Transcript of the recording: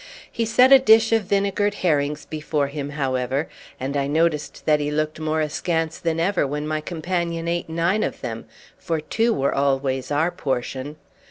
He set a dish of vinegared herrings before him, however, and I noticed that he looked more askance than ever when my companion ate nine of them, for two were always our portion.